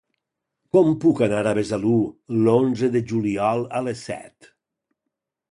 Com puc anar a Besalú l'onze de juliol a les set?